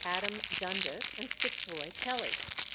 Adam Dundas and Fitzroy Kelly.